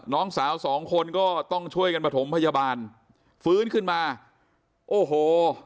น้องสาวสองคนก็ต้องช่วยกันประถมพยาบาลฟื้นขึ้นมาโอ้โห